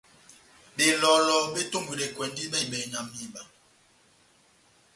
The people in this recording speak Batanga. Belɔlɔ betombwidɛkwɛndi bɛhi-bɛhi na mihiba.